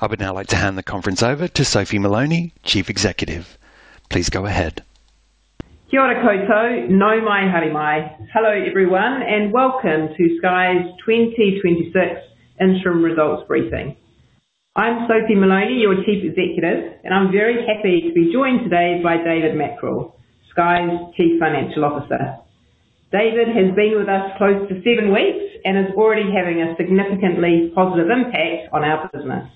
I would now like to hand the conference over to Sophie Moloney, Chief Executive. Please go ahead. Kia ora koutou. Nau mai, haere mai. Hello, everyone, and welcome to Sky's 2026 interim results briefing. I'm Sophie Moloney, your Chief Executive, and I'm very happy to be joined today by David Mackrell, Sky's Chief Financial Officer. David has been with us close to seven weeks and is already having a significantly positive impact on our business.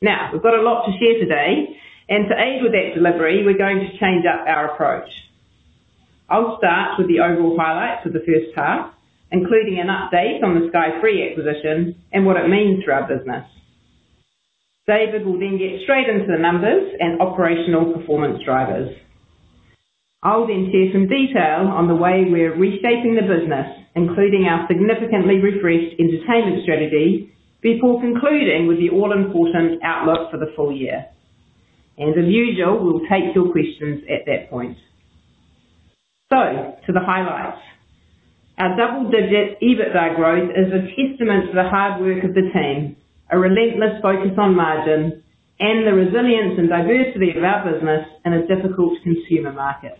We've got a lot to share today, and to aid with that delivery, we're going to change up our approach. I'll start with the overall highlights of the first half, including an update on the Sky Free acquisition and what it means for our business. David will then get straight into the numbers and operational performance drivers. I'll then share some detail on the way we're reshaping the business, including our significantly refreshed Entertainment strategy, before concluding with the all-important outlook for the full year. As usual, we'll take your questions at that point. To the highlights. Our double-digit EBITDA growth is a testament to the hard work of the team, a relentless focus on margin, and the resilience and diversity of our business in a difficult consumer market.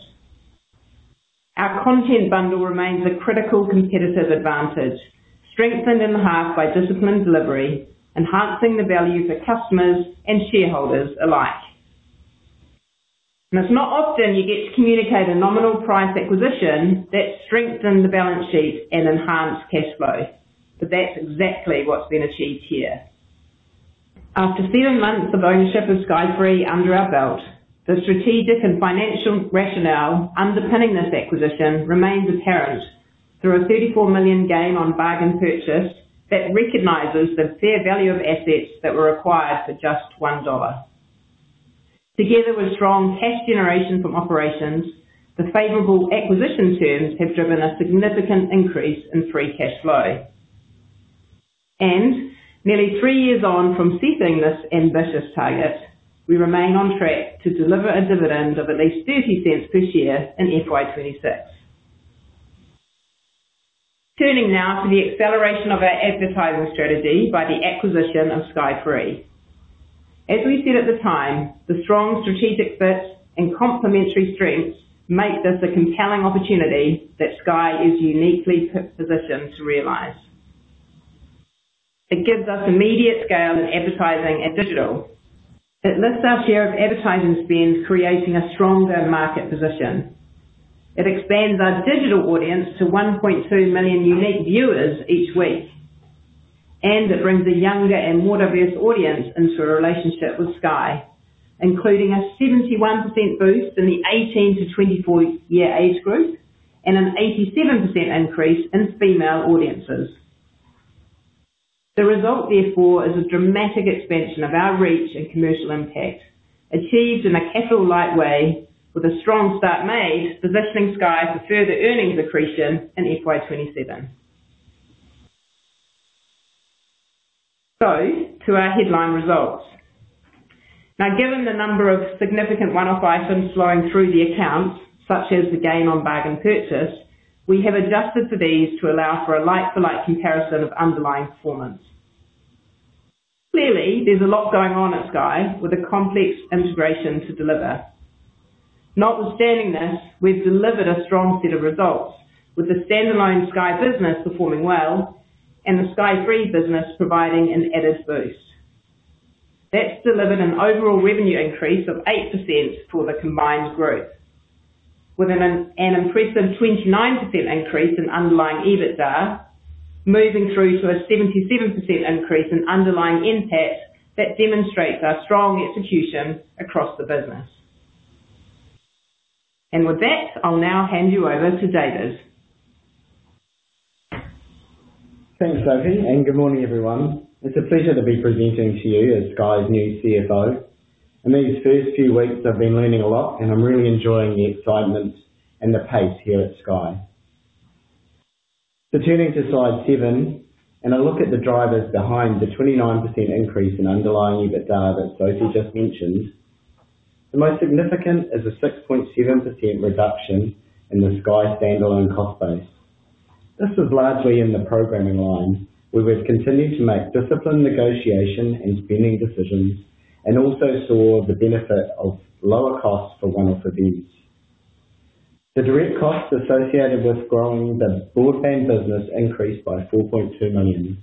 Our content bundle remains a critical competitive advantage, strengthened in half by disciplined delivery, enhancing the value for customers and shareholders alike. It's not often you get to communicate a nominal price acquisition that strengthened the balance sheet and enhanced cash flow, but that's exactly what's been achieved here. After seven months of ownership of Sky Free under our belt, the strategic and financial rationale underpinning this acquisition remains apparent through a 34 million gain on bargain purchase that recognizes the fair value of assets that were acquired for just 1 dollar. Together with strong cash generation from operations, the favorable acquisition terms have driven a significant increase in free cash flow. Nearly three years on from setting this ambitious target, we remain on track to deliver a dividend of at least 0.30 per share in FY 2026. Turning now to the acceleration of our advertising strategy by the acquisition of Sky Free. As we said at the time, the strong strategic fit and complementary strengths make this a compelling opportunity that Sky is uniquely positioned to realize. It gives us immediate scale in advertising and digital. It lifts our share of advertising spend, creating a stronger market position. It expands our digital audience to 1.2 million unique viewers each week, and it brings a younger and more diverse audience into a relationship with Sky, including a 71% boost in the 18-24 year age group and an 87% increase in female audiences. The result, therefore, is a dramatic expansion of our reach and commercial impact, achieved in a capital-light way with a strong start made positioning Sky for further earnings accretion in FY 2027. To our headline results. Given the number of significant one-off items flowing through the accounts, such as the gain on bargain purchase, we have adjusted for these to allow for a like-to-like comparison of underlying performance. Clearly, there's a lot going on at Sky with a complex integration to deliver. Notwithstanding this, we've delivered a strong set of results, with the standalone Sky business performing well and the Sky Free business providing an added boost. That's delivered an overall revenue increase of 8% for the combined group, with an impressive 29% increase in underlying EBITDA, moving through to a 77% increase in underlying NPAT, that demonstrates our strong execution across the business. With that, I'll now hand you over to David. Thanks, Sophie. Good morning, everyone. It's a pleasure to be presenting to you as Sky's new CFO. In these first few weeks, I've been learning a lot, and I'm really enjoying the excitement and the pace here at Sky. Turning to slide seven, and a look at the drivers behind the 29% increase in underlying EBITDA that Sophie just mentioned. The most significant is a 6.7% reduction in the Sky standalone cost base. This is largely in the programming line, where we've continued to make disciplined negotiation and spending decisions, and also saw the benefit of lower costs for one-off events. The direct costs associated with growing the broadband business increased by 4.2 million,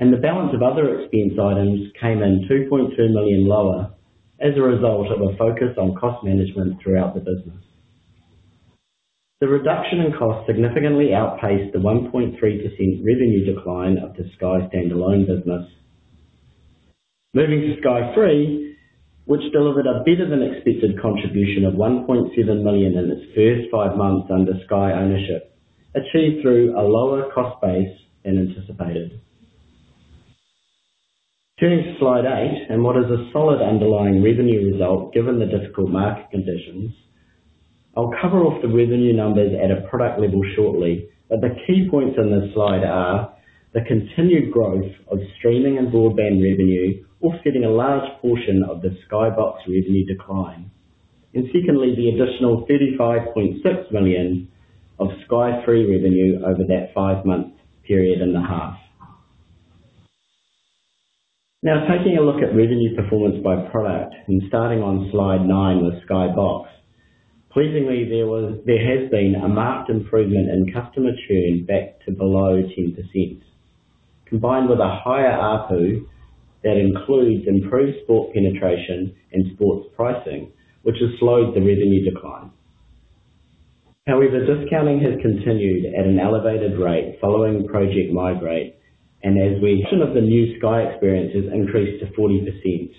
and the balance of other expense items came in 2.2 million lower as a result of a focus on cost management throughout the business. The reduction in cost significantly outpaced the 1.3% revenue decline of the Sky standalone business. Moving to Sky Free, which delivered a better-than-expected contribution of 1.7 million in its first five months under Sky ownership, achieved through a lower cost base than anticipated. Turning to slide eight, and what is a solid underlying revenue result, given the difficult market conditions. I'll cover off the revenue numbers at a product level shortly, but the key points on this slide are: the continued growth of streaming and broadband revenue, offsetting a large portion of the Sky Box revenue decline. Secondly, the additional 35.6 million of Sky Free revenue over that five-month period in the half. Taking a look at revenue performance by product and starting on slide nine, the Sky Box. Pleasingly, there has been a marked improvement in customer churn back to below 10%, combined with a higher ARPU that includes improved Sport penetration and Sports pricing, which has slowed the revenue decline. Discounting has continued at an elevated rate following Project Migrate, and of the new Sky experiences increased to 40%.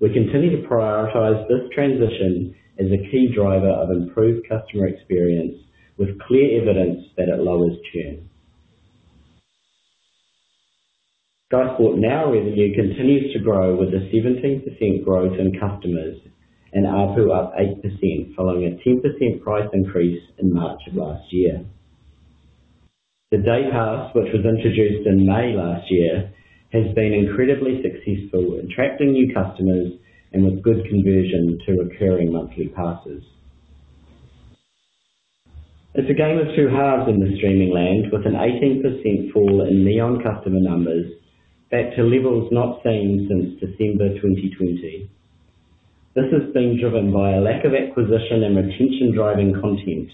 We continue to prioritize this transition as a key driver of improved customer experience, with clear evidence that it lowers churn. Sky Sport Now revenue continues to grow, with a 17% growth in customers and ARPU up 8%, following a 10% price increase in March of last year. The Day Pass, which was introduced in May last year, has been incredibly successful in attracting new customers and with good conversion to recurring monthly passes. It's a game of two halves in the streaming land, with an 18% fall in Neon customer numbers back to levels not seen since December 2020. This has been driven by a lack of acquisition and retention-driving content.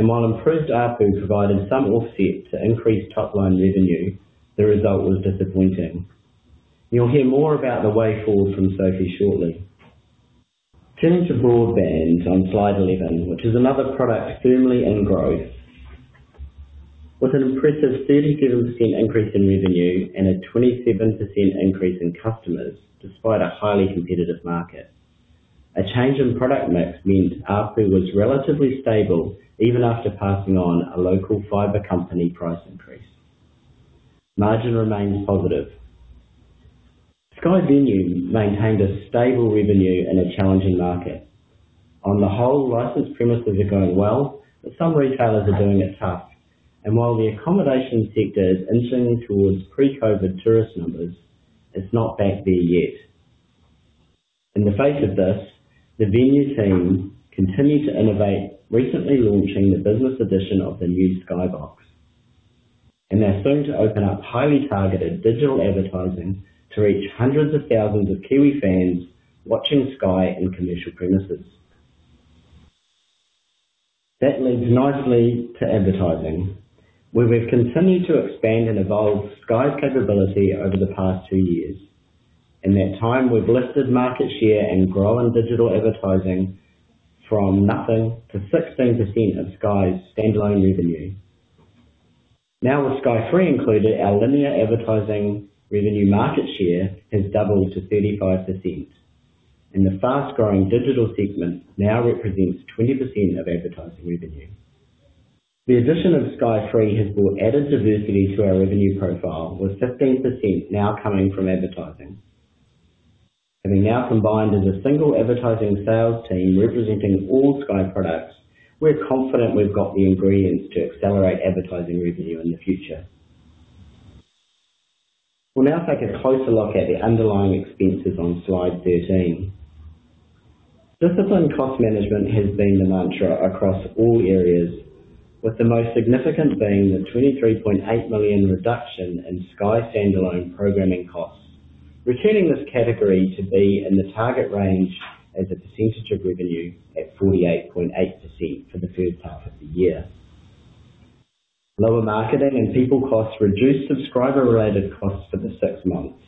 While improved ARPU provided some offset to increase top-line revenue, the result was disappointing. You'll hear more about the way forward from Sophie shortly. Turning to broadband on slide 11, which is another product firmly in growth. With an impressive 37% increase in revenue and a 27% increase in customers, despite a highly competitive market. A change in product mix meant ARPU was relatively stable even after passing on a local fiber company price increase. Margin remains positive. Sky Venue maintained a stable revenue in a challenging market. On the whole, licensed premises are going well, but some retailers are doing it tough, and while the accommodation sector is inching towards pre-COVID tourist numbers, it's not back there yet. In the face of this, the venue team continued to innovate, recently launching the business edition of the new Sky Box. They're soon to open up highly targeted digital advertising to reach hundreds of thousands of Kiwi fans watching Sky in commercial premises. That leads nicely to advertising, where we've continued to expand and evolve Sky's capability over the past two years. In that time, we've lifted market share and grown digital advertising from nothing to 16% of Sky's standalone revenue. Now, with Sky Free included, our linear advertising revenue market share has doubled to 35%, and the fast-growing digital segment now represents 20% of advertising revenue. The addition of Sky Free has brought added diversity to our revenue profile, with 15% now coming from advertising. Having now combined as a single advertising sales team representing all Sky products, we're confident we've got the ingredients to accelerate advertising revenue in the future. We'll now take a closer look at the underlying expenses on slide 13. Disciplined cost management has been the mantra across all areas, with the most significant being the 23.8 million reduction in Sky standalone programming costs, returning this category to be in the target range as a percentage of revenue at 48.8% for the first half of the year. Lower marketing and people costs reduced subscriber-related costs for the six months,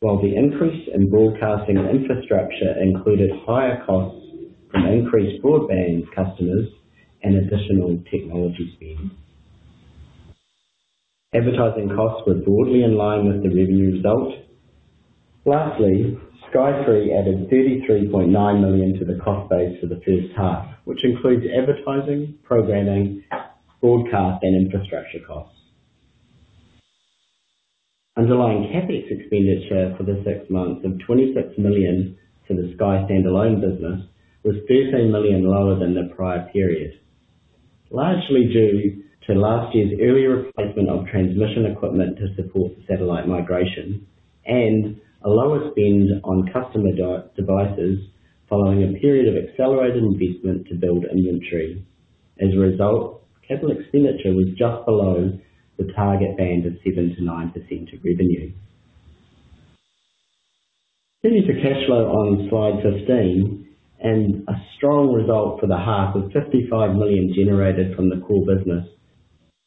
while the increase in broadcasting infrastructure included higher costs from increased broadband customers and additional technology spend. Advertising costs were broadly in line with the revenue result. Lastly, Sky Free added 33.9 million to the cost base for the first half, which includes advertising, programming, broadcast, and infrastructure costs. Underlying CapEx expenditure for the six months of 26 million to the Sky standalone business, was 13 million lower than the prior period, largely due to last year's early replacement of transmission equipment to support satellite migration and a lower spend on customer devices following a period of accelerated investment to build inventory. As a result, capital expenditure was just below the target band of 7%-9% of revenue. Turning to cash flow on slide 15, a strong result for the half of 55 million generated from the core business.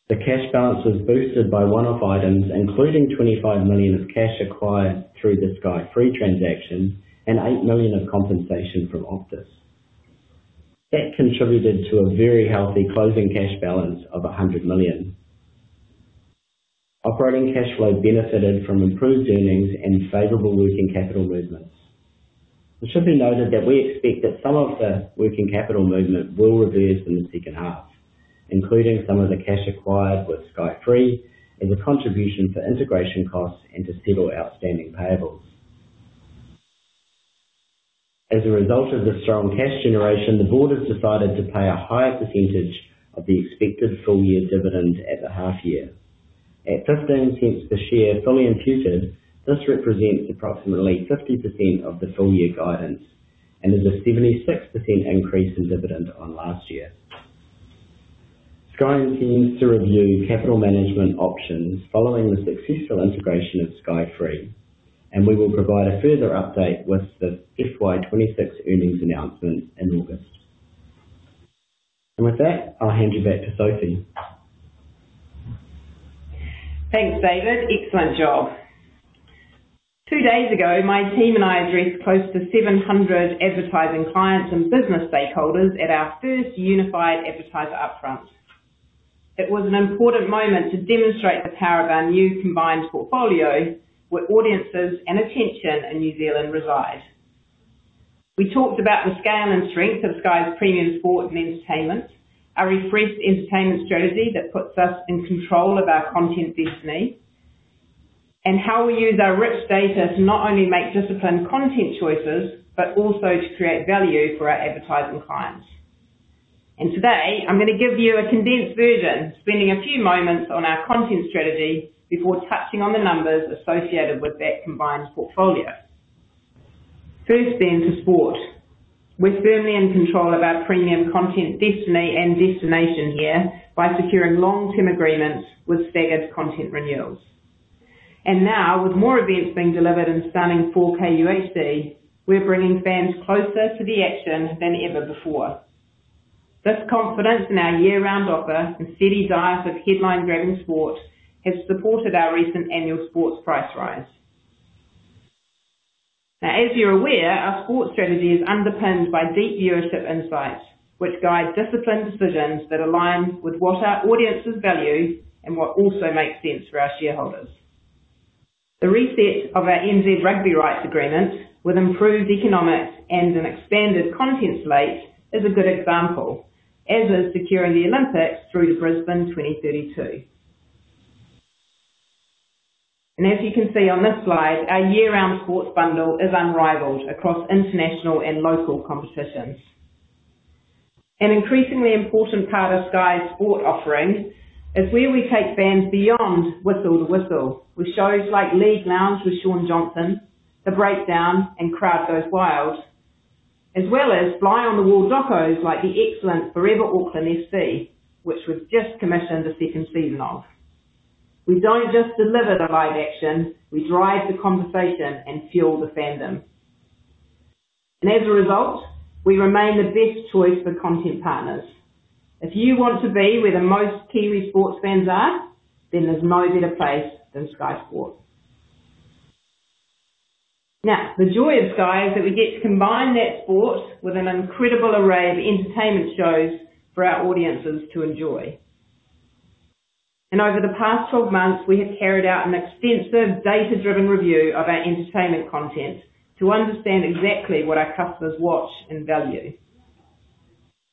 The cash balance was boosted by one-off items, including 25 million of cash acquired through the Sky Free transaction and 8 million of compensation from Optus. That contributed to a very healthy closing cash balance of 100 million. Operating cash flow benefited from improved earnings and favorable working capital movements. It should be noted that we expect that some of the working capital movement will reverse in the second half, including some of the cash acquired with Sky Free and the contribution for integration costs and to settle outstanding payables. As a result of the strong cash generation, the Board has decided to pay a higher percentage of the expected full-year dividend at the half year. At 0.15 per share, fully imputed, this represents approximately 50% of the full-year guidance and is a 76% increase in dividend on last year. Sky intends to review capital management options following the successful integration of Sky Free, and we will provide a further update with the FY 2026 earnings announcement in August. With that, I'll hand you back to Sophie. Thanks, David. Excellent job. Two days ago, my team and I addressed close to 700 advertising clients and business stakeholders at our first unified advertiser upfront. It was an important moment to demonstrate the power of our new combined portfolio, where audiences and attention in New Zealand reside. We talked about the scale and strength of Sky's premium Sport and Entertainment, our refreshed Entertainment strategy that puts us in control of our content destiny, and how we use our rich data to not only make disciplined content choices, but also to create value for our advertising clients. Today, I'm going to give you a condensed version, spending a few moments on our content strategy before touching on the numbers associated with that combined portfolio. First, then, to Sport. We're firmly in control of our premium content destiny and destination here by securing long-term agreements with staggered content renewals. Now, with more events being delivered in stunning 4K UHD, we're bringing fans closer to the action than ever before. This confidence in our year-round offer and steady diet of headline-grabbing sport has supported our recent annual Sports price rise. Now, as you're aware, our Sports strategy is underpinned by deep viewership insights, which guide disciplined decisions that align with what our audiences value and what also makes sense for our shareholders. The reset of our NZ Rugby rights agreement, with improved economics and an expanded content slate, is a good example, as is securing the Olympics through to Brisbane 2032. As you can see on this slide, our year-round Sports bundle is unrivaled across international and local competitions. An increasingly important part of Sky's Sport offering is where we take fans beyond whistle to whistle, with shows like League Lounge with Shaun Johnson, The Breakdown, and Crowd Goes Wild, as well as fly-on-the-wall docos, like the excellent Forever Auckland FC, which we've just commissioned a second season of. We don't just deliver the live action; we drive the conversation and fuel the fandom. As a result, we remain the best choice for content partners. If you want to be where the most Kiwi sports fans are, then there's no better place than Sky Sport. Now, the joy of Sky is that we get to combine that Sport with an incredible array of entertainment shows for our audiences to enjoy. Over the past 12 months, we have carried out an extensive data-driven review of our Entertainment content to understand exactly what our customers watch and value.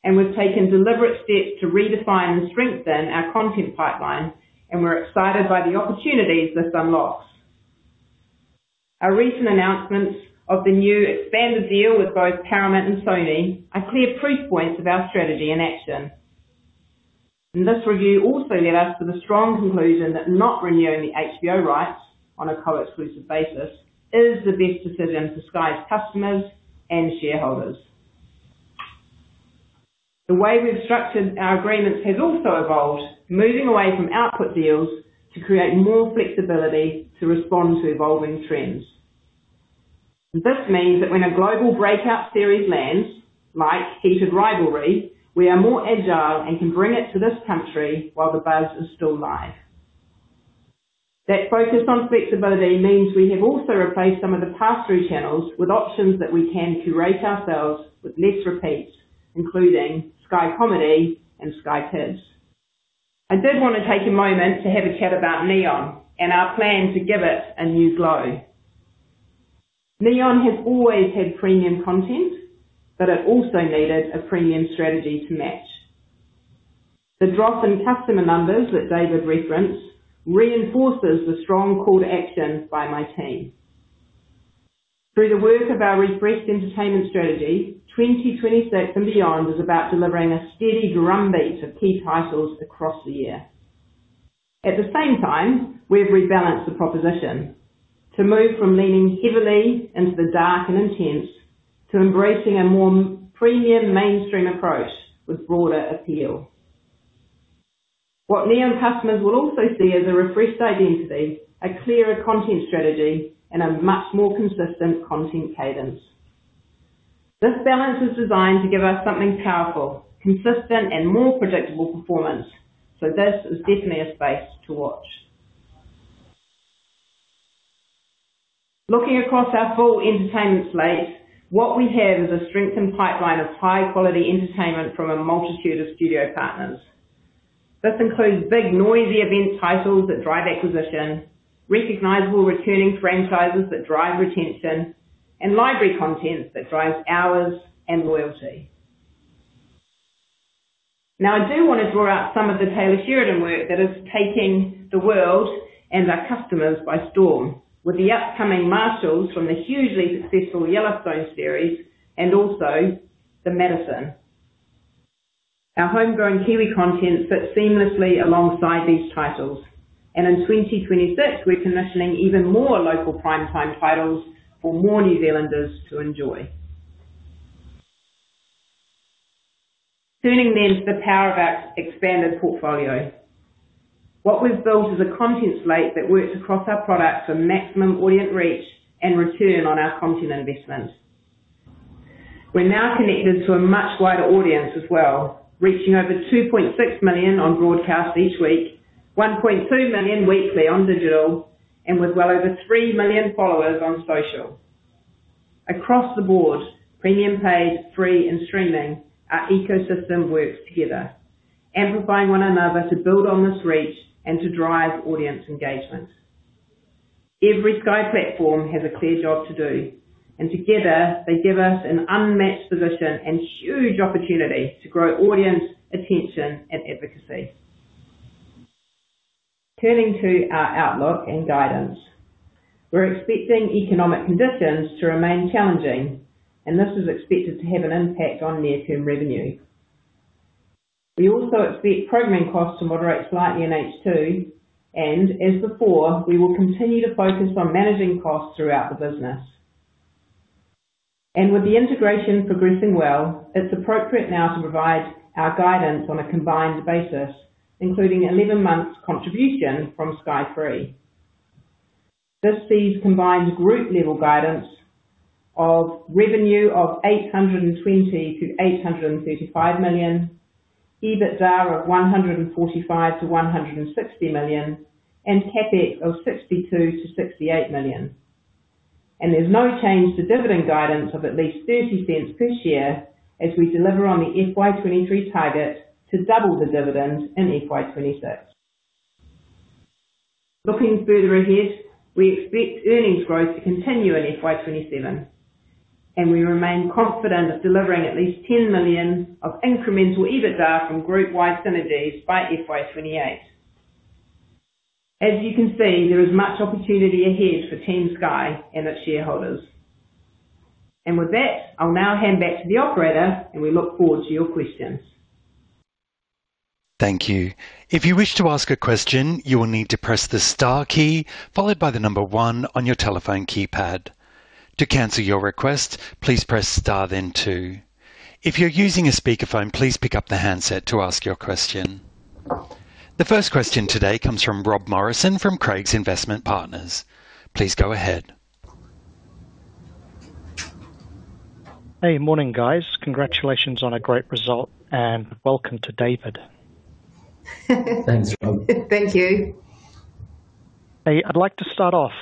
We've taken deliberate steps to redefine and strengthen our content pipeline, and we're excited by the opportunities this unlocks. Our recent announcements of the new expanded deal with both Paramount and Sony are clear proof points of our strategy in action. This review also led us to the strong conclusion that not renewing the HBO rights on a co-exclusive basis is the best decision for Sky's customers and shareholders. The way we've structured our agreements has also evolved, moving away from output deals to create more flexibility to respond to evolving trends. This means that when a global breakout series lands, like Heated Rivalry, we are more agile and can bring it to this country while the buzz is still live. That focus on flexibility means we have also replaced some of the pass-through channels with options that we can curate ourselves with less repeats, including Sky Comedy and Sky Kids. I did want to take a moment to have a chat about Neon and our plan to give it a new glow. Neon has always had premium content, but it also needed a premium strategy to match. The drop in customer numbers that David referenced reinforces the strong call to action by my team. Through the work of our refreshed Entertainment strategy, 2026 and beyond is about delivering a steady drumbeat of key titles across the year. At the same time, we've rebalanced the proposition to move from leaning heavily into the dark and intense, to embracing a more premium mainstream approach with broader appeal. What Neon customers will also see is a refreshed identity, a clearer content strategy, and a much more consistent content cadence. This balance is designed to give us something powerful, consistent, and more predictable performance. This is definitely a space to watch. Looking across our full Entertainment slate, what we have is a strengthened pipeline of high-quality entertainment from a multitude of studio partners. This includes big, noisy event titles that drive acquisition, recognizable returning franchises that drive retention, and library content that drives hours and loyalty. I do want to draw out some of the Taylor Sheridan work that is taking the world and our customers by storm, with the upcoming Marshals from the hugely successful Yellowstone series and also The Madison.... Our homegrown Kiwi content fits seamlessly alongside these titles. In 2026, we're commissioning even more local prime-time titles for more New Zealanders to enjoy. Turning to the power of our expanded portfolio. What we've built is a content slate that works across our products for maximum audience reach and return on our content investment. We're now connected to a much wider audience as well, reaching over 2.6 million on broadcast each week, 1.2 million weekly on digital, and with well over 3 million followers on social. Across the board, premium, paid, free, and streaming, our ecosystem works together, amplifying one another to build on this reach and to drive audience engagement. Every Sky platform has a clear job to do, together, they give us an unmatched position and huge opportunity to grow audience attention and advocacy. Turning to our outlook and guidance. We're expecting economic conditions to remain challenging, and this is expected to have an impact on near-term revenue. We also expect programming costs to moderate slightly in H2, and as before, we will continue to focus on managing costs throughout the business. With the integration progressing well, it's appropriate now to provide our guidance on a combined basis, including 11 months contribution from Sky Free. This sees combined group-level guidance of revenue of 820 million-835 million, EBITDA of 145 million-160 million, and CapEx of 62 million-68 million. There's no change to dividend guidance of at least 0.30 per share as we deliver on the FY 2023 target to double the dividend in FY 2026. Looking further ahead, we expect earnings growth to continue in FY 2027, and we remain confident of delivering at least 10 million of incremental EBITDA from group-wide synergies by FY 2028. As you can see, there is much opportunity ahead for Team Sky and its shareholders. With that, I'll now hand back to the operator, and we look forward to your questions. Thank you. If you wish to ask a question, you will need to press the star key followed by one on your telephone keypad. To cancel your request, please press star, then two. If you're using a speakerphone, please pick up the handset to ask your question. The first question today comes from Rob Morrison, from Craigs Investment Partners. Please go ahead. Hey, morning, guys. Congratulations on a great result, and welcome to David. Thanks, Rob. Thank you. Hey, I'd like to start off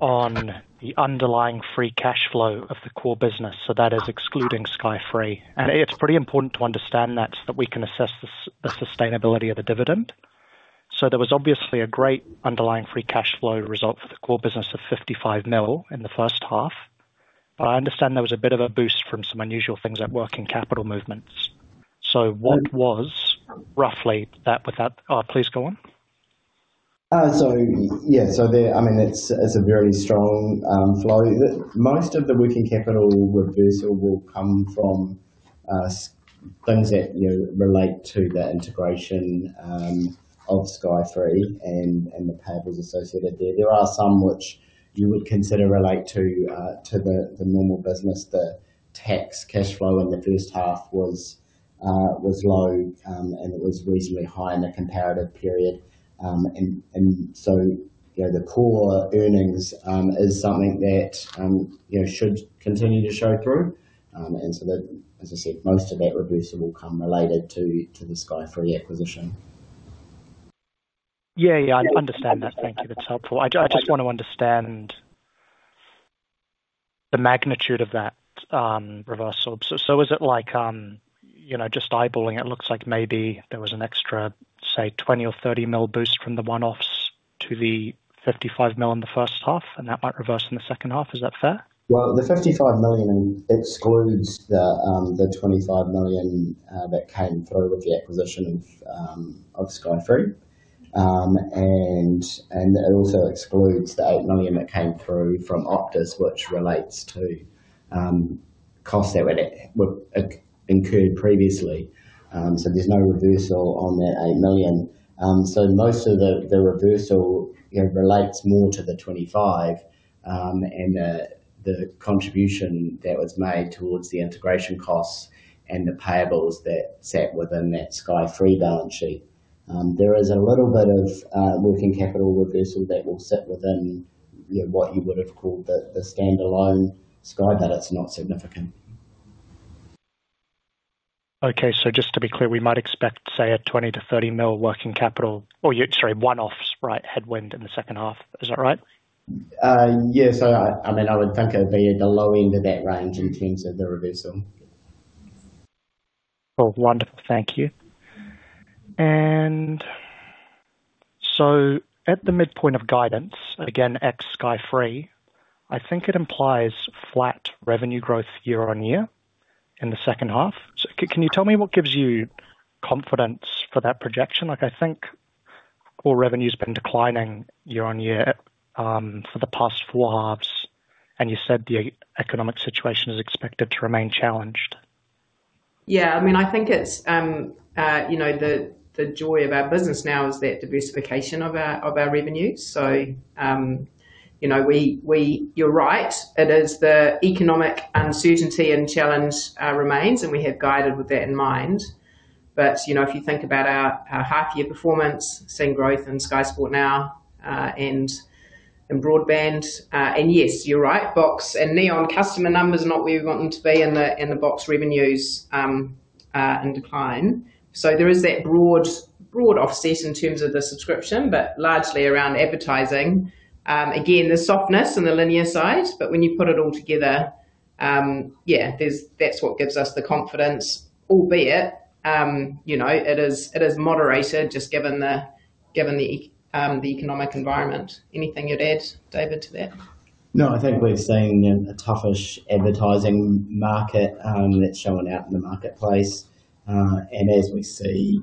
on the underlying free cash flow of the core business, so that is excluding Sky Free. It's pretty important to understand that, so that we can assess the sustainability of the dividend. There was obviously a great underlying free cash flow result for the core business of 55 million in the first half, I understand there was a bit of a boost from some unusual things like working capital movements. What was roughly that, without? Please go on. Yeah, so there, I mean, it's a very strong flow. Most of the working capital reversal will come from things that, you know, relate to the integration of Sky Free and the payables associated there. There are some which you would consider relate to the normal business. The tax cash flow in the first half was low. It was reasonably high in the comparative period. You know, the core earnings is something that, you know, should continue to show through. That, as I said, most of that reversal will come related to the Sky Free acquisition. Yeah, yeah, I understand that. Thank you. That's helpful. I just want to understand the magnitude of that reversal. Is it like, you know, just eyeballing it, looks like maybe there was an extra, say, 20 million or 30 million boost from the one-offs to the 55 million in the first half, and that might reverse in the second half, is that fair? Well, the NZD 55 million excludes the NZD 25 million that came through with the acquisition of Sky Free. It also excludes the 8 million that came through from Optus, which relates to costs that were incurred previously. There's no reversal on that 8 million. Most of the reversal, you know, relates more to the 25 million and the contribution that was made towards the integration costs and the payables that sat within that Sky Free balance sheet. There is a little bit of working capital reversal that will sit within, you know, what you would have called the standalone Sky, that's not significant. Just to be clear, we might expect, say, a 20 million-30 million working capital or, yeah, sorry, one-offs, right, headwind in the second half. Is that right? Yes. I mean, I would think it'd be at the low end of that range in terms of the reversal. Well, wonderful. Thank you. At the midpoint of guidance, again, ex Sky Free, I think it implies flat revenue growth year-on-year in the second half. Can you tell me what gives you confidence for that projection? Like, I think core revenue's been declining year-on-year for the past four halves, and you said the economic situation is expected to remain challenged. I mean, I think it's, you know, the joy of our business now is that diversification of our revenues. You know, you're right, it is the economic uncertainty and challenge remains, and we have guided with that in mind. You know, if you think about our half-year performance, same growth in Sky Sport Now, and in broadband. And yes, you're right, Box and Neon customer numbers are not where we want them to be, and the Box revenues are in decline. There is that broad offset in terms of the subscription, but largely around advertising. Again, the softness in the linear side, but when you put it all together, yeah, that's what gives us the confidence. Albeit, you know, it is moderated, just given the economic environment. Anything you'd add, David, to that? I think we've seen a toughish advertising market, that's showing out in the marketplace, and as we see,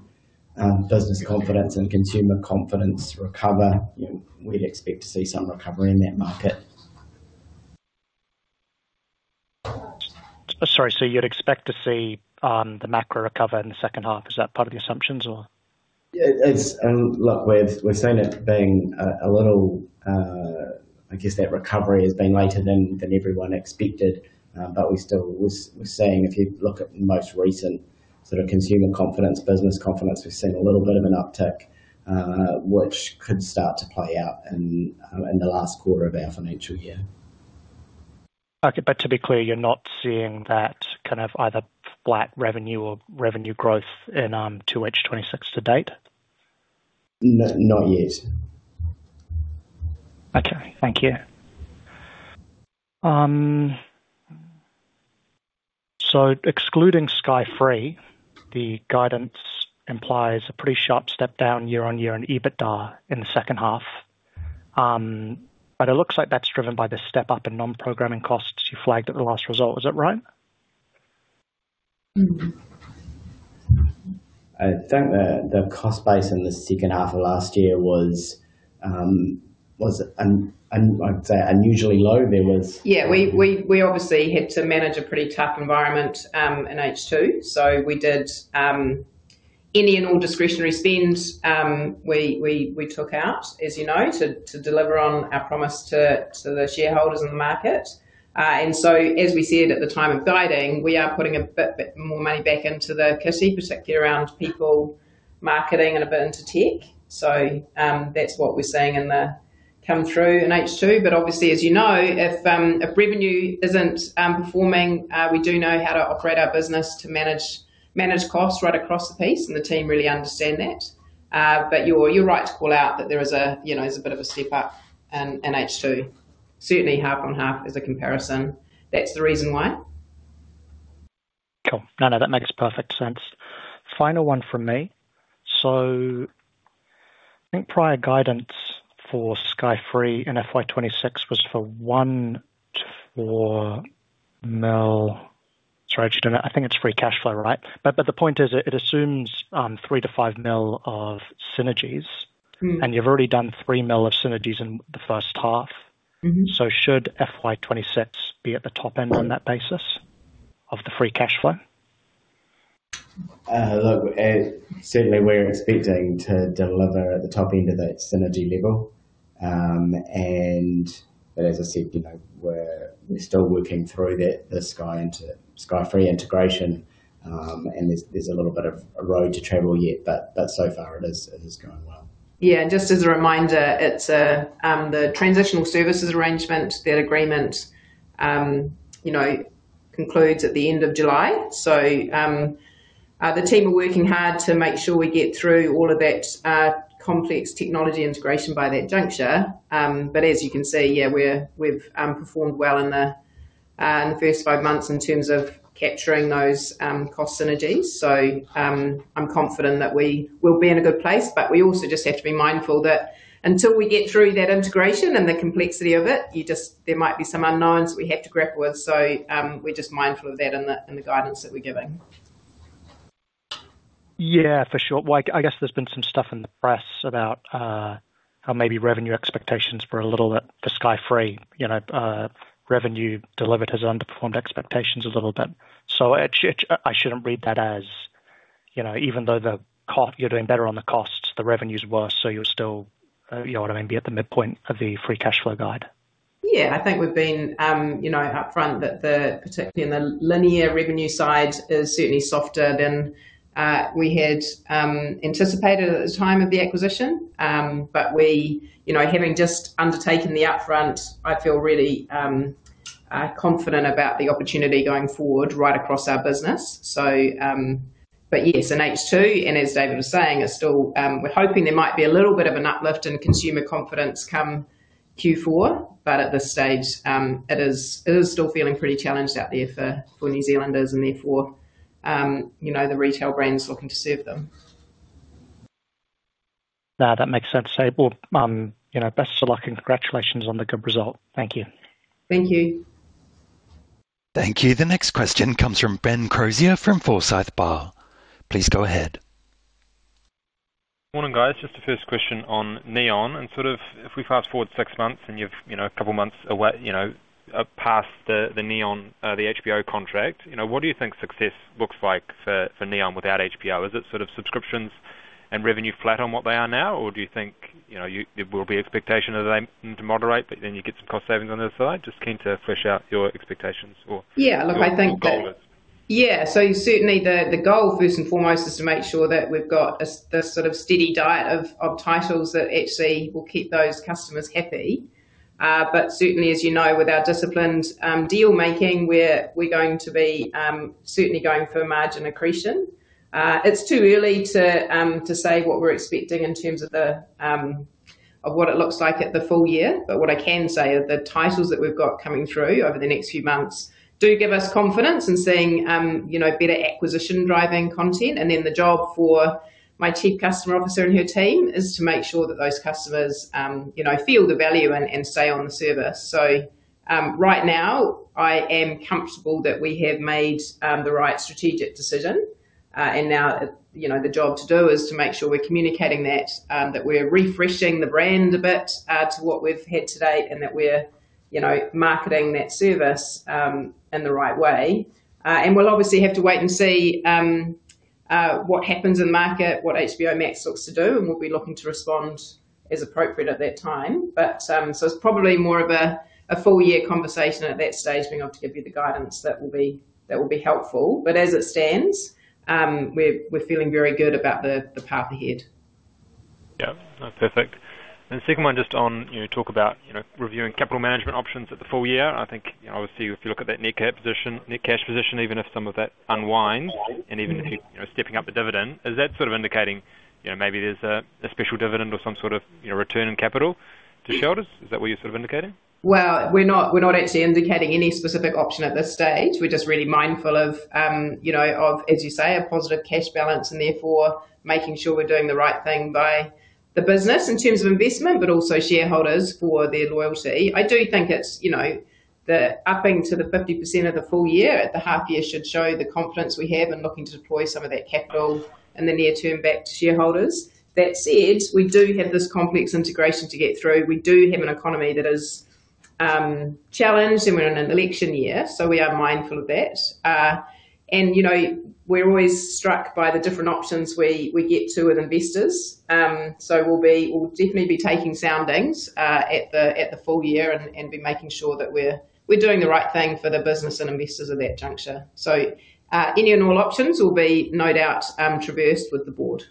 business confidence and consumer confidence recover, you know, we'd expect to see some recovery in that market. Sorry, you'd expect to see the macro recover in the second half. Is that part of the assumptions or? Yeah, it's, look, we've seen it being a little. I guess that recovery has been later than everyone expected. We still, we're seeing if you look at the most recent sort of consumer confidence, business confidence, we've seen a little bit of an uptick, which could start to play out in the last quarter of our financial year. Okay, to be clear, you're not seeing that kind of either flat revenue or revenue growth in 2H 2026 to date? Not yet. Okay, thank you. Excluding Sky Free, the guidance implies a pretty sharp step down year-on-year in EBITDA in the second half. It looks like that's driven by the step up in non-programming costs you flagged at the last result. Is that right? I think the cost base in the second half of last year was, I'd say unusually low. Yeah, we obviously had to manage a pretty tough environment in H2. We did any and all discretionary spend, we took out, as you know, to deliver on our promise to the shareholders in the market. As we said at the time of guiding, we are putting a bit more money back into the kitty, particularly around people, marketing and a bit into tech. That's what we're seeing in the come through in H2. Obviously, as you know, if revenue isn't performing, we do know how to operate our business to manage costs right across the piece, and the team really understand that. You're right to call out that there is, you know, a bit of a step up in H2. Certainly, half on half is a comparison. That's the reason why. Cool. No, no, that makes perfect sense. Final one from me. I think prior guidance for Sky Free in FY 2026 was for 1 million-4 million... Sorry, I just don't know. I think it's free cash flow, right? The point is, it assumes 3 million-5 million of synergies- Mm. You've already done 3 million of synergies in the first half. Mm-hmm. Should FY 2026 be at the top end on that basis of the free cash flow? Look, certainly we're expecting to deliver at the top end of that synergy level. As I said, you know, we're still working through the Sky and Sky Free integration, and there's a little bit of a road to travel yet, but so far it is going well. Yeah, just as a reminder, it's, the transitional services arrangement, that agreement, you know, concludes at the end of July. The team are working hard to make sure we get through all of that complex technology integration by that juncture. As you can see, yeah, we're, we've performed well in the first five months in terms of capturing those cost synergies. I'm confident that we will be in a good place, but we also just have to be mindful that until we get through that integration and the complexity of it, there might be some unknowns we have to grapple with. We're just mindful of that in the guidance that we're giving. Yeah, for sure. Well, I guess there's been some stuff in the press about, how maybe revenue expectations were a little bit for Sky Free. You know, revenue delivered has underperformed expectations a little bit. Actually, I shouldn't read that as, you know, even though you're doing better on the costs, the revenue is worse, so you're still, you know what I mean, be at the midpoint of the free cash flow guide. I think we've been, you know, upfront that the, particularly in the linear revenue side, is certainly softer than we had anticipated at the time of the acquisition. We, you know, having just undertaken the upfront, I feel really confident about the opportunity going forward right across our business. Yes, in H2, and as David was saying, it's still, we're hoping there might be a little bit of an uplift in consumer confidence come Q4, but at this stage, it is still feeling pretty challenged out there for New Zealanders and therefore, you know, the retail brands looking to serve them. That makes sense. Well, you know, best of luck and congratulations on the good result. Thank you. Thank you. Thank you. The next question comes from Ben Crozier from Forsyth Barr. Please go ahead. Morning, guys. Just the first question on Neon and sort of, if we fast-forward six months and you've, you know, a couple of months away, you know, past the Neon, the HBO contract, you know, what do you think success looks like for Neon without HBO? Is it sort of subscriptions and revenue flat on what they are now? Or do you think, you know, there will be expectation of them to moderate, but then you get some cost savings on the other side? Just keen to fresh out your expectations or- Yeah, look, I think. Or goal is. Yeah. Certainly the goal, first and foremost, is to make sure that we've got a, this sort of steady diet of titles that actually will keep those customers happy. Certainly, as you know, with our disciplined deal-making, we're going to be certainly going for margin accretion. It's too early to say what we're expecting in terms of what it looks like at the full year. What I can say are the titles that we've got coming through over the next few months do give us confidence in seeing, you know, better acquisition-driving content. Then the job for my chief customer officer and her team is to make sure that those customers, you know, feel the value and stay on the service. Right now, I am comfortable that we have made the right strategic decision. And now, you know, the job to do is to make sure we're communicating that we're refreshing the brand a bit, to what we've had to date, and that we're, you know, marketing that service in the right way. And we'll obviously have to wait and see what happens in market, what HBO Max looks to do, and we'll be looking to respond as appropriate at that time. It's probably more of a full year conversation at that stage, being able to give you the guidance that will be helpful. As it stands, we're feeling very good about the path ahead. Yeah. Perfect. Just on, you know, talk about, you know, reviewing capital management options at the full year. I think, you know, obviously, if you look at that net cap position, net cash position, even if some of that unwinds and even if you know, stepping up the dividend, is that sort of indicating, you know, maybe there's a special dividend or some sort of, you know, return in capital to shareholders? Is that what you're sort of indicating? We're not actually indicating any specific option at this stage. We're just really mindful of, you know, of, as you say, a positive cash balance and therefore making sure we're doing the right thing by the business in terms of investment, but also shareholders for their loyalty. I do think it's, you know, the upping to the 50% of the full year at the half year should show the confidence we have in looking to deploy some of that capital in the near term back to shareholders. That said, we do have this complex integration to get through. We do have an economy that is challenged, and we're in an election year, so we are mindful of that. You know, we're always struck by the different options we get to with investors. We'll definitely be taking soundings at the full year and be making sure that we're doing the right thing for the business and investors at that juncture. Any and all options will be no doubt traversed with the Board.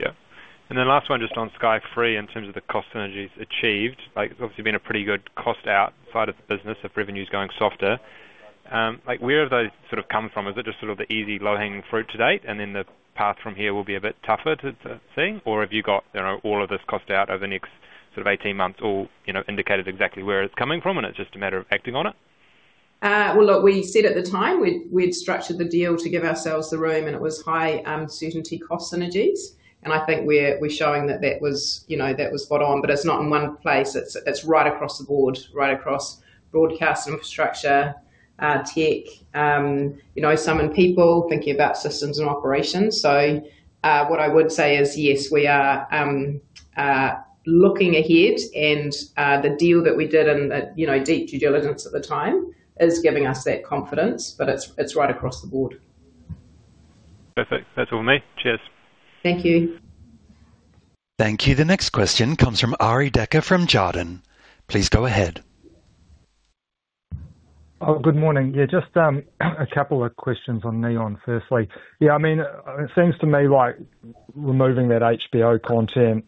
Yeah. Then last one, just on Sky Free, in terms of the cost synergies achieved, like, it's obviously been a pretty good cost out side of the business if revenue's going softer. Like, where have those sort of come from? Is it just sort of the easy, low-hanging fruit to date, and then the path from here will be a bit tougher to see? Or have you got, you know, all of this cost out over the next sort of 18 months or, you know, indicated exactly where it's coming from, and it's just a matter of acting on it? Well, look, we said at the time, we'd structured the deal to give ourselves the room, and it was high, certainty cost synergies, and I think we're showing that that was, you know, that was spot on. It's not in one place. It's right across the board, right across broadcast infrastructure, tech, you know, some in people thinking about systems and operations. What I would say is, yes, we are looking ahead and the deal that we did and the, you know, deep due diligence at the time is giving us that confidence, but it's right across the board. Perfect. That's all me. Cheers. Thank you. Thank you. The next question comes from Arie Dekker from Jarden. Please go ahead. Good morning. Yeah, just a couple of questions on Neon, firstly. Yeah, I mean, it seems to me like removing that HBO content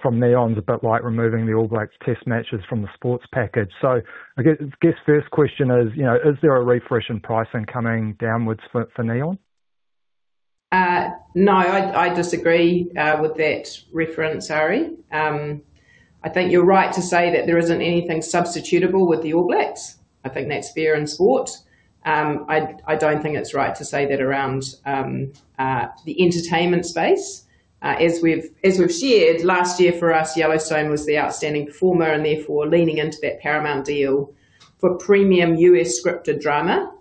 from Neon is a bit like removing the All Blacks test matches from the Sports package. I guess first question is, you know, is there a refresh in pricing coming downwards for Neon? No, I disagree with that reference, Arie. I think you're right to say that there isn't anything substitutable with the All Blacks. I think that's fair in Sport. I don't think it's right to say that around the entertainment space. As we've shared, last year for us, Yellowstone was the outstanding performer and therefore leaning into that Paramount deal for premium U.S. scripted drama.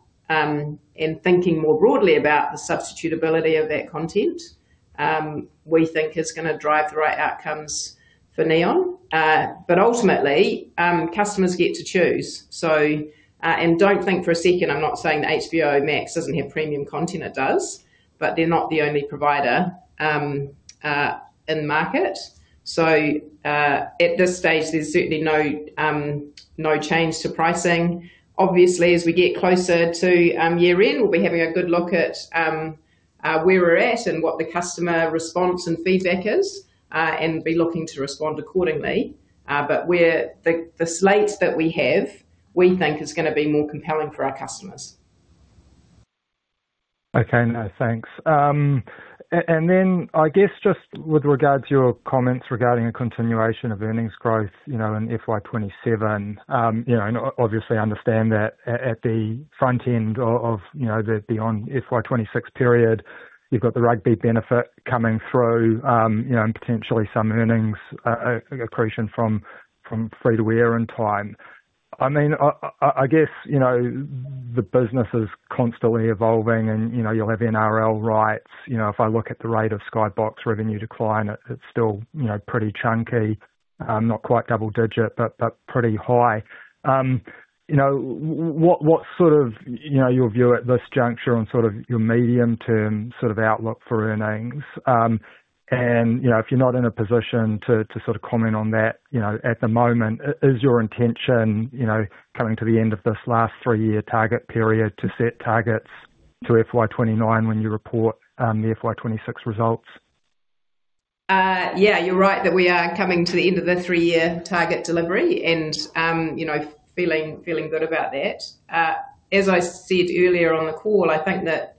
Thinking more broadly about the substitutability of that content, we think is gonna drive the right outcomes for Neon. Ultimately, customers get to choose. Don't think for a second I'm not saying that HBO Max doesn't have premium content, it does, but they're not the only provider in the market. At this stage, there's certainly no change to pricing. Obviously, as we get closer to year-end, we'll be having a good look at where we're at and what the customer response and feedback is, and be looking to respond accordingly. Where the slates that we have, we think is gonna be more compelling for our customers. Okay. No, thanks. And then I guess just with regards to your comments regarding the continuation of earnings growth, you know, in FY 2027, you know, and obviously understand that at the front end of, you know, the FY 2026 period, you've got the rugby benefit coming through, you know, and potentially some earnings accretion from free-to-air in time. I mean, I guess, you know, the business is constantly evolving and, you know, you'll have NRL rights. You know, if I look at the rate of Sky Box revenue decline, it's still, you know, pretty chunky, not quite double-digit, but pretty high. You know, what sort of, you know, your view at this juncture and sort of your medium-term sort of outlook for earnings? You know, if you're not in a position to sort of comment on that, you know, at the moment, is your intention, you know, coming to the end of this last three-year target period, to set targets to FY 2029 when you report the FY 2026 results? Yeah, you're right that we are coming to the end of the three-year target delivery and, you know, feeling good about that. As I said earlier on the call, I think that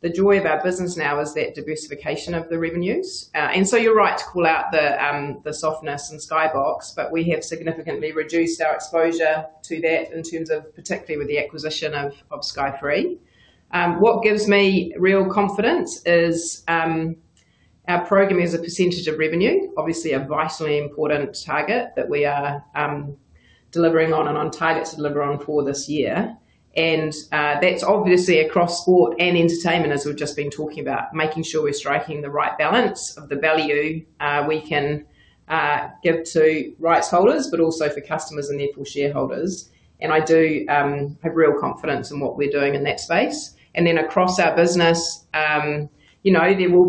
the joy of our business now is that diversification of the revenues. You're right to call out the softness in Sky Box, but we have significantly reduced our exposure to that in terms of, particularly with the acquisition of Sky Free. What gives me real confidence is our program as a percentage of revenue, obviously a vitally important target that we are delivering on and on target to deliver on for this year. That's obviously across Sport and Entertainment, as we've just been talking about, making sure we're striking the right balance of the value we can give to rights holders, but also for customers and therefore shareholders. I do have real confidence in what we're doing in that space. Across our business, you know, there will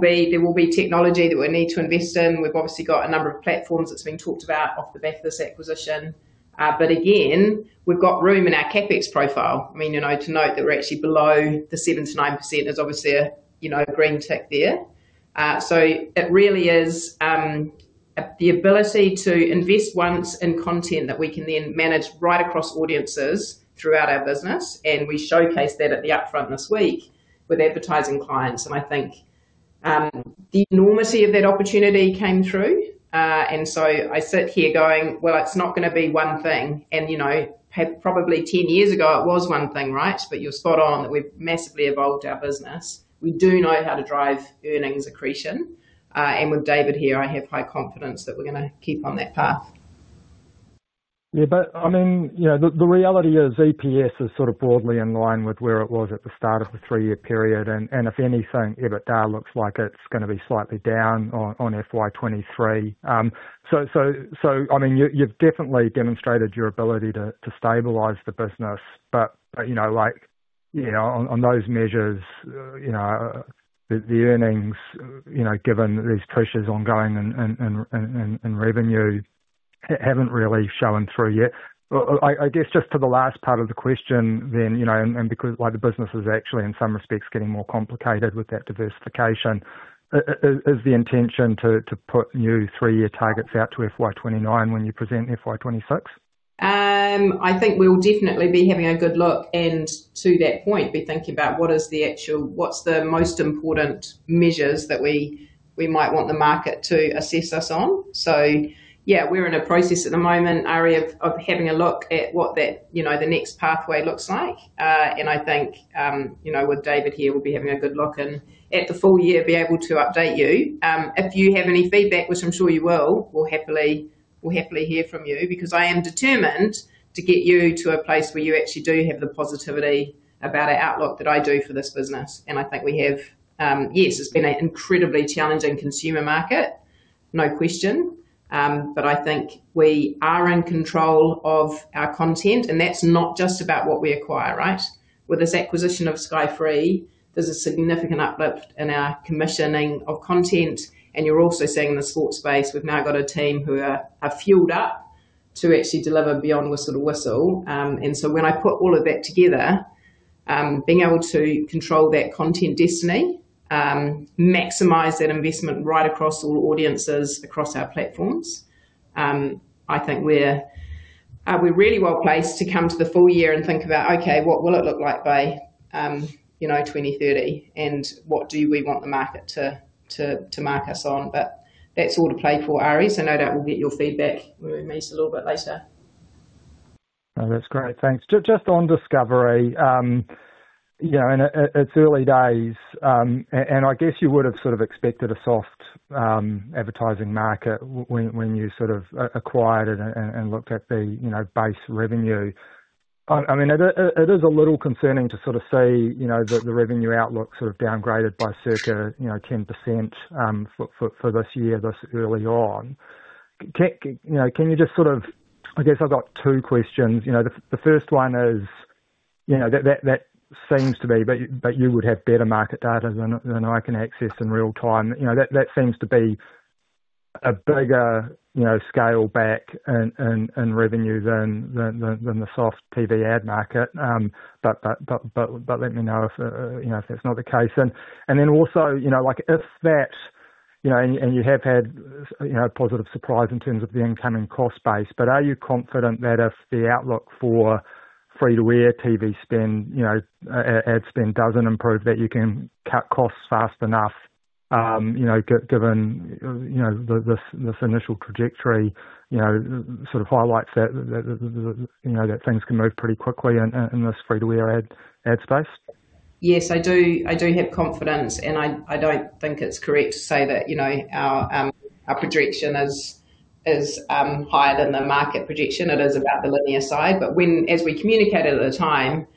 be technology that we need to invest in. We've obviously got a number of platforms that's been talked about off the back of this acquisition. Again, we've got room in our CapEx profile. I mean, you know, to note that we're actually below the 7%-9% is obviously a, you know, green tick there. It really is the ability to invest once in content that we can then manage right across audiences throughout our business, and we showcased that at the upfront this week with advertising clients. I think the enormity of that opportunity came through. I sit here going, "Well, it's not gonna be one thing." You know, probably 10 years ago it was one thing, right? You're spot on, that we've massively evolved our business. We do know how to drive earnings accretion, and with David here, I have high confidence that we're gonna keep on that path. Yeah, but I mean, you know, the reality is EPS is sort of broadly in line with where it was at the start of the three-year period, and if anything, EBITDA looks like it's gonna be slightly down on FY 2023. I mean, you've definitely demonstrated your ability to stabilize the business, but, you know, like, you know, on those measures, the earnings, you know, given these pressures ongoing and revenue haven't really shown through yet. I guess just to the last part of the question then, you know, and because, like, the business is actually in some respects getting more complicated with that diversification. Is the intention to put new three-year targets out to FY 2029 when you present FY 2026? I think we'll definitely be having a good look, and to that point, be thinking about what's the most important measures that we might want the market to assess us on. Yeah, we're in a process at the moment, Arie, of having a look at what that, you know, the next pathway looks like. I think, you know, with David here, we'll be having a good look, and at the full year, be able to update you. If you have any feedback, which I'm sure you will, we'll happily hear from you, because I am determined to get you to a place where you actually do have the positivity about our outlook that I do for this business. I think we have. Yes, it's been an incredibly challenging consumer market, no question. I think we are in control of our content, and that's not just about what we acquire, right? With this acquisition of Sky Free, there's a significant uplift in our commissioning of content, and you're also seeing in the sports space, we've now got a team who are fueled up to actually deliver beyond the sort of whistle. When I put all of that together, being able to control that content destiny, maximize that investment right across all audiences, across our platforms, I think we're really well placed to come to the full year and think about, okay, what will it look like by, you know, 2030, and what do we want the market to mark us on? That's all to play for, Arie, so no doubt we'll get your feedback when we meet a little bit later. That's great. Thanks. Just on Discovery, you know, it's early days. I guess you would have sort of expected a soft advertising market when you sort of acquired and looked at the, you know, base revenue. I mean, it is a little concerning to sort of see, you know, the revenue outlook sort of downgraded by circa, you know, 10% for this year, this early on. Can you just sort of... I guess I've got two questions. You know, the first one is, you know, that seems to be. You would have better market data than I can access in real time. You know, that seems to be a bigger, you know, scale back in revenue than the soft PV ad market. But let me know if, you know, if that's not the case. Then also, you know, like if that, you know, and you have had, you know, positive surprise in terms of the incoming cost base, but are you confident that if the outlook for free-to-air TV spend, you know, ad spend doesn't improve, that you can cut costs fast enough, you know, given, you know, this initial trajectory, you know, sort of highlights that, you know, that things can move pretty quickly in this free-to-air ad space? Yes, I do have confidence, and I don't think it's correct to say that, you know, our projection is higher than the market projection. It is about the linear side. As we communicated at the time,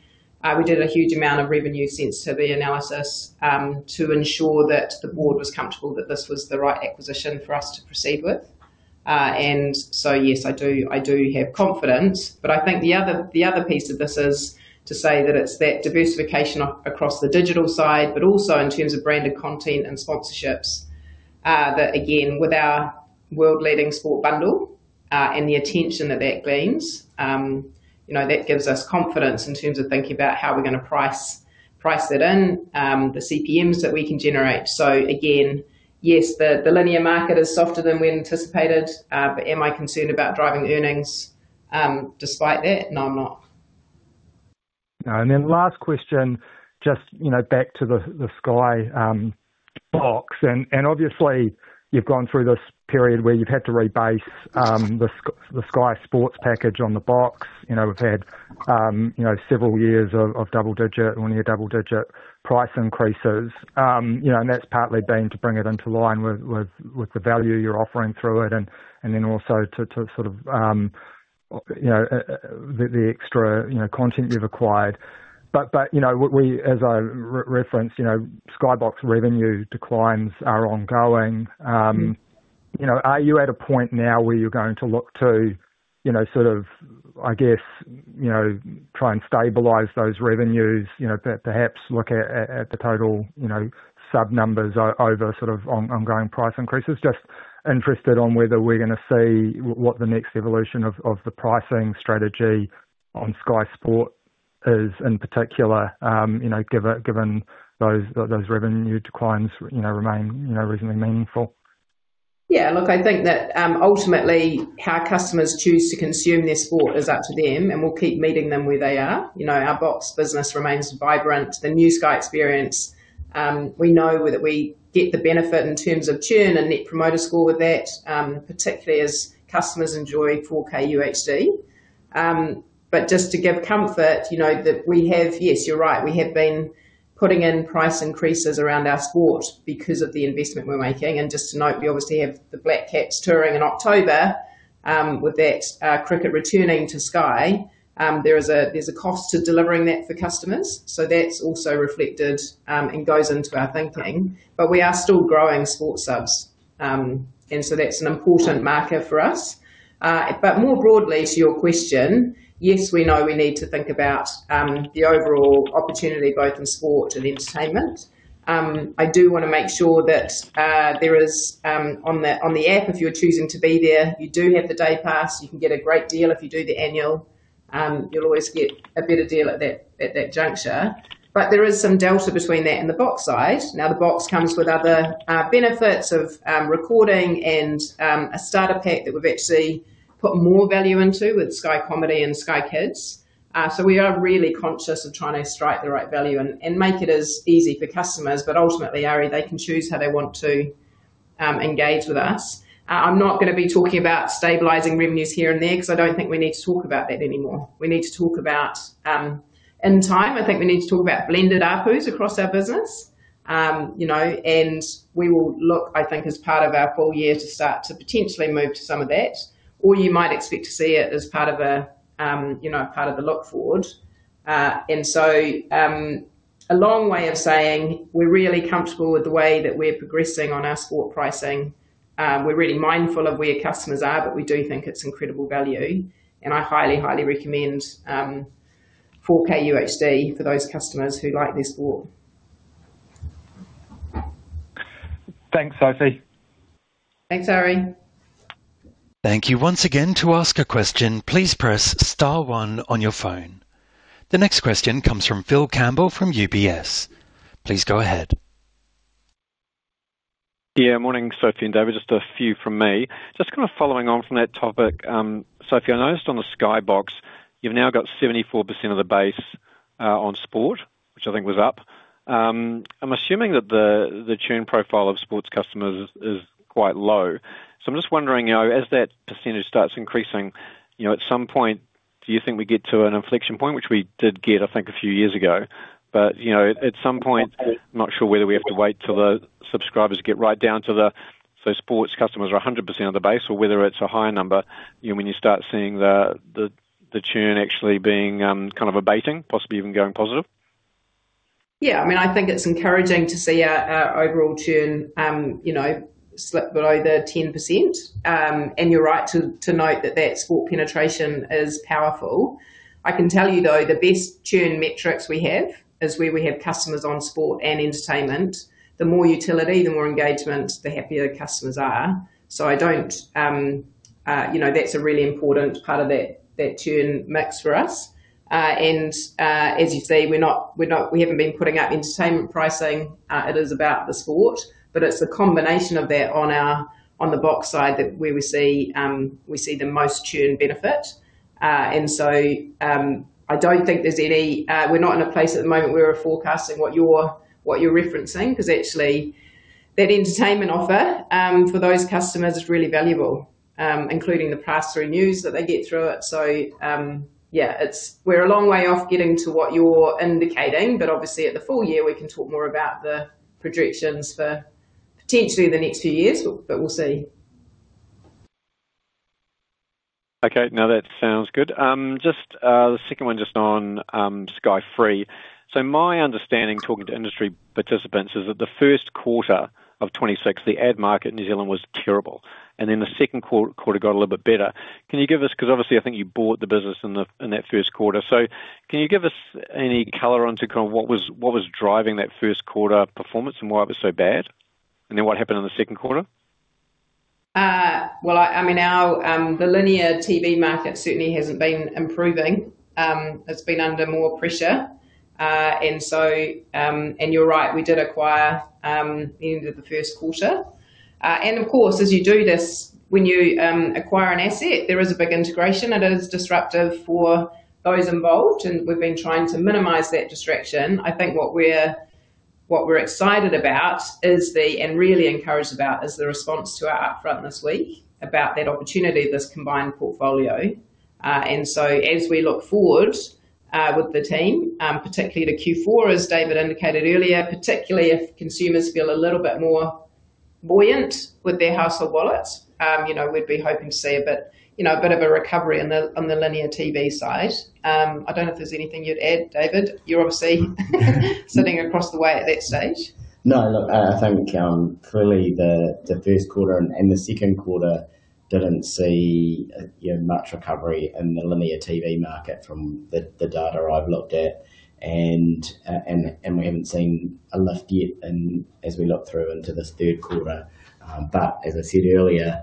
we did a huge amount of revenue sensitivity analysis to ensure that the Board was comfortable that this was the right acquisition for us to proceed with. Yes, I do have confidence. I think the other piece of this is to say that it's that diversification across the digital side, but also in terms of branded content and sponsorships. That again, with our world-leading Sport bundle, and the attention that that brings, you know, that gives us confidence in terms of thinking about how we're going to price it in, the CPMs that we can generate. Again, yes, the linear market is softer than we anticipated. Am I concerned about driving earnings despite that? No, I'm not. Last question, just, you know, back to the Sky Box. Obviously, you've gone through this period where you've had to rebase the Sky Sport package on the Box. You know, we've had, you know, several years of double-digit, linear double-digit price increases. You know, that's partly been to bring it into line with the value you're offering through it and then also to sort of, you know, the extra, you know, content you've acquired. You know, what we... As I re-referenced, you know, Sky Box revenue declines are ongoing. You know, are you at a point now where you're going to look to, you know, sort of, I guess, you know, try and stabilize those revenues, perhaps look at the total, you know, sub numbers over sort of ongoing price increases? Just interested on whether we're going to see what the next evolution of the pricing strategy on Sky Sport is, in particular, you know, given those revenue declines, you know, remain, you know, reasonably meaningful. Yeah, look, I think that ultimately, how customers choose to consume their sport is up to them, and we'll keep meeting them where they are. You know, our Box business remains vibrant. The new Sky experience, we know that we get the benefit in terms of churn and Net Promoter Score with that, particularly as customers enjoy 4K UHD. But just to give comfort, you know, that we have been putting in price increases around our Sport because of the investment we're making. Just to note, we obviously have the Black Caps touring in October, with that cricket returning to Sky. There's a cost to delivering that for customers, so that's also reflected and goes into our thinking. We are still growing Sport subs, and so that's an important marker for us. More broadly to your question, yes, we know we need to think about the overall opportunity, both in Sport and Entertainment. I do want to make sure that there is on the app, if you're choosing to be there, you do have the Day Pass. You can get a great deal if you do the annual. You'll always get a better deal at that juncture. There is some delta between that and the Box side. The Box comes with other benefits of recording and a starter pack that we've actually put more value into with Sky Comedy and Sky Kids. We are really conscious of trying to strike the right value and make it as easy for customers. Ultimately, Arie, they can choose how they want to engage with us. I'm not going to be talking about stabilizing revenues here and there, because I don't think we need to talk about that anymore. We need to talk about, in time, I think we need to talk about blended ARPUs across our business. You know, and we will look, I think, as part of our full year, to start to potentially move to some of that, or you might expect to see it as part of a, you know, part of the look forward. A long way of saying we're really comfortable with the way that we're progressing on our Sport pricing. We're really mindful of where customers are, but we do think it's incredible value, and I highly recommend 4K UHD for those customers who like their sport. Thanks, Sophie. Thanks, Arie. Thank you once again. To ask a question, please press star one on your phone. The next question comes from Phil Campbell, from UBS. Please go ahead. Morning, Sophie and David. Just a few from me. Just kind of following on from that topic, Sophie, I noticed on the Sky Box, you've now got 74% of the base on Sport, which I think was up. I'm assuming that the churn profile of Sports customers is quite low. I'm just wondering, you know, as that percentage starts increasing, you know, at some point, do you think we get to an inflection point, which we did get, I think, a few years ago? You know, at some point, I'm not sure whether we have to wait till the subscribers get right down to the. Sports customers are 100% of the base or whether it's a higher number, you know, when you start seeing the churn actually being kind of abating, possibly even going positive. I mean, I think it's encouraging to see our overall churn, you know, slip below the 10%. You're right to note that Sport penetration is powerful. I can tell you, though, the best churn metrics we have is where we have customers on Sport and Entertainment. The more utility, the more engagement, the happier customers are. You know, that's a really important part of that churn mix for us. As you say, we haven't been putting up Entertainment pricing. It is about the Sport, but it's a combination of that on the Box side that where we see the most churn benefit. I don't think there's any. We're not in a place at the moment where we're forecasting what you're referencing. Because actually, that Entertainment offer for those customers is really valuable, including the pass-through news that they get through it. We're a long way off getting to what you're indicating, but obviously, at the full year, we can talk more about the projections for potentially the next few years, but we'll see. Okay, now, that sounds good. Just, the second one, just on Sky Free. My understanding, talking to industry participants, is that the first quarter of 2026, the ad market in New Zealand was terrible, and then the second quarter got a little bit better. Can you give us 'cause obviously, I think you bought the business in the, in that first quarter. Can you give us any color onto kind of what was driving that first quarter performance and why it was so bad? What happened in the second quarter? Well, I mean, our, the linear TV market certainly hasn't been improving. It's been under more pressure. You're right, we did acquire, the end of the first quarter. As you do this, when you acquire an asset, there is a big integration. It is disruptive for those involved, and we've been trying to minimize that distraction. I think what we're, what we're excited about and really encouraged about, is the response to our upfront this week about that opportunity, this combined portfolio. As we look forward, with the team, particularly to Q4, as David indicated earlier, particularly if consumers feel a little bit more buoyant with their household wallets, you know, we'd be hoping to see a bit, you know, a bit of a recovery on the, on the linear TV side. I don't know if there's anything you'd add, David. You're obviously sitting across the way at that stage. No, look, I think, clearly, the first quarter and the second quarter didn't see, you know, much recovery in the linear TV market from the data I've looked at. We haven't seen a lift yet in as we look through into this third quarter. As I said earlier,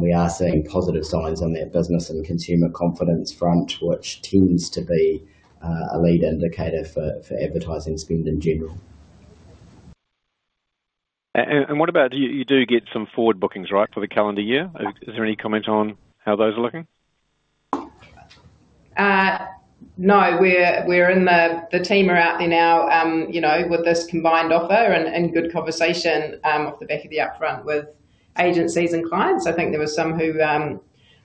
we are seeing positive signs on that business and consumer confidence front, which tends to be a lead indicator for advertising spend in general. You do get some forward bookings, right, for the calendar year? Is there any comment on how those are looking? No, we're in the team are out there now, you know, with this combined offer and good conversation off the back of the upfront with agencies and clients. I think there were some who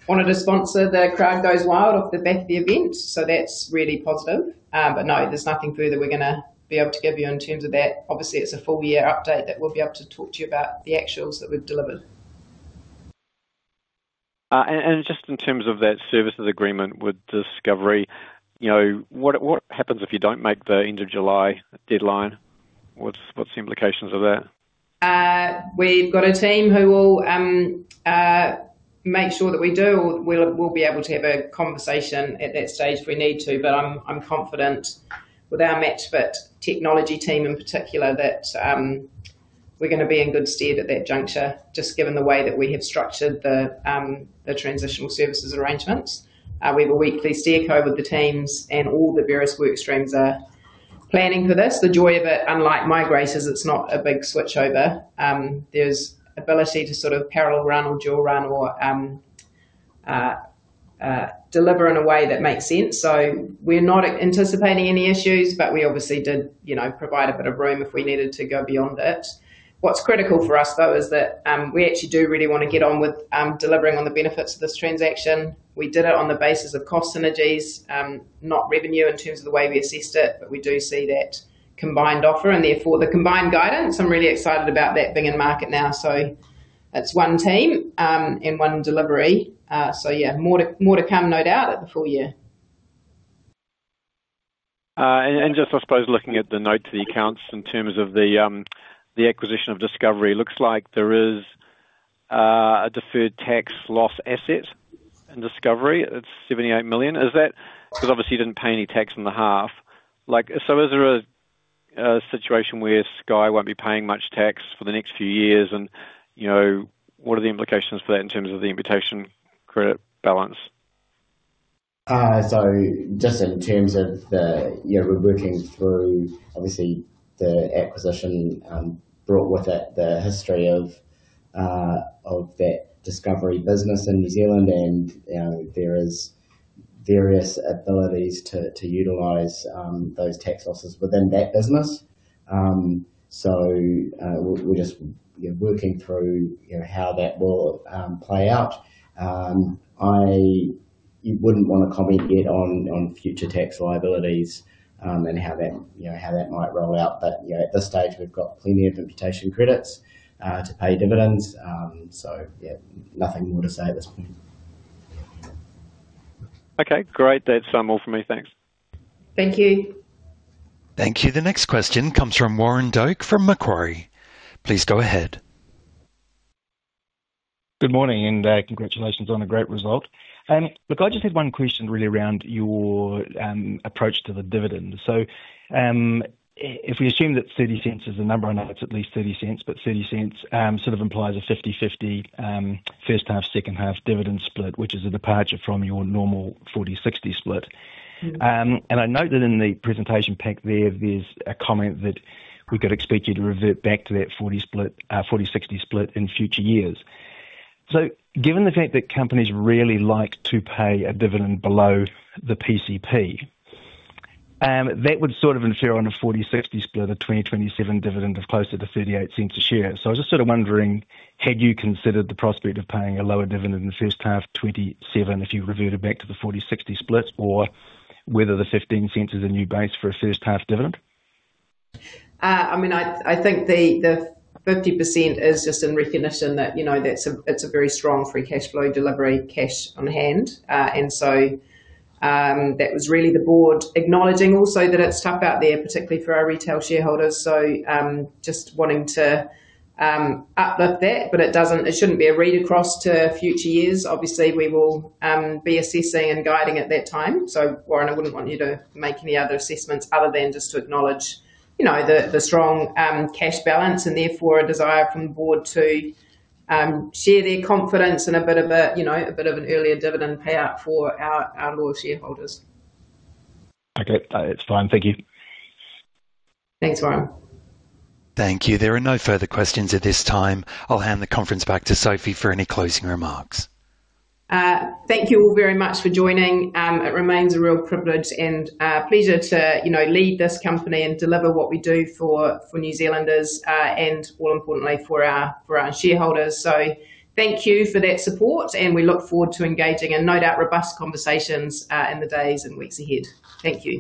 wanted to sponsor The Crowd Goes Wild off the back of the event, so that's really positive. No, there's nothing further we're gonna be able to give you in terms of that. Obviously, it's a full year update that we'll be able to talk to you about the actuals that we've delivered. Just in terms of that services agreement with Discovery, you know, what happens if you don't make the end of July deadline? What's the implications of that? We've got a team who will make sure that we do, or we'll be able to have a conversation at that stage if we need to, but I'm confident with our match fit technology team, in particular, that we're gonna be in good stead at that juncture, just given the way that we have structured the transitional services arrangements. We have a weekly SteerCo with the teams, and all the various work streams are planning for this. The joy of it, unlike migrators, it's not a big switchover. There's ability to sort of parallel run or dual run or deliver in a way that makes sense. We're not anticipating any issues, but we obviously did, you know, provide a bit of room if we needed to go beyond it. What's critical for us, though, is that, we actually do really want to get on with, delivering on the benefits of this transaction. We did it on the basis of cost synergies, not revenue in terms of the way we assessed it, but we do see that combined offer and therefore the combined guidance. I'm really excited about that being in the market now. That's one team, and one delivery. Yeah, more to come, no doubt, at the full year. Just I suppose looking at the note to the accounts in terms of the acquisition of Discovery, looks like there is a deferred tax loss asset in Discovery. It's 78 million. Is that 'cause obviously you didn't pay any tax in the half? Is there a situation where Sky won't be paying much tax for the next few years? You know, what are the implications for that in terms of the imputation credit balance? Just in terms of the... Yeah, we're working through, obviously, the acquisition, brought with it the history of that Discovery business in New Zealand. There is various abilities to utilize those tax losses within that business. We're just, you know, working through, you know, how that will play out. I wouldn't want to comment yet on future tax liabilities, and how that, you know, how that might roll out. At this stage, we've got plenty of imputation credits to pay dividends. Yeah, nothing more to say at this point. Okay, great. That's all for me. Thanks. Thank you. Thank you. The next question comes from Warren Doak, from Macquarie. Please go ahead. Good morning. Congratulations on a great result. I just had 1 question really around your approach to the dividend. If we assume that 0.30 is the number, I know it's at least 0.30, but 0.30 sort of implies a 50/50 first half, second half dividend split, which is a departure from your normal 40/60 split. I note that in the presentation pack there's a comment that we could expect you to revert back to that 40/60 split in future years. Given the fact that companies really like to pay a dividend below the PCP, that would sort of ensure on a 40/60 split, a 2027 dividend of closer to 0.38 a share. I was just sort of wondering, had you considered the prospect of paying a lower dividend in the first half of 2027, if you reverted back to the 40/60 splits, or whether 0.15 is a new base for a first half dividend? I mean, I think the 50% is just in recognition that, you know, that's a, it's a very strong free cash flow delivery, cash on hand. That was really the Board acknowledging also that it's tough out there, particularly for our retail shareholders. Just wanting to uplift that, but it shouldn't be a read-across to future years. Obviously, we will be assessing and guiding at that time. Warren, I wouldn't want you to make any other assessments other than just to acknowledge, you know, the strong cash balance, and therefore a desire from the Board to share their confidence and a bit of a, you know, a bit of an earlier dividend payout for our loyal shareholders. Okay, it's fine. Thank you. Thanks, Warren. Thank you. There are no further questions at this time. I'll hand the conference back to Sophie for any closing remarks. Thank you all very much for joining. It remains a real privilege and pleasure to, you know, lead this company and deliver what we do for New Zealanders, and more importantly, for our, for our shareholders. Thank you for that support, and we look forward to engaging in no doubt, robust conversations in the days and weeks ahead. Thank you.